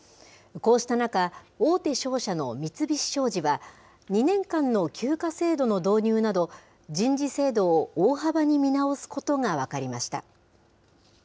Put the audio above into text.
こうした中、大手商社の三菱商事は、２年間の休暇制度の導入など、人事制度を大幅に見直すことが分かりました。